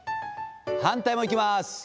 反対もいきます。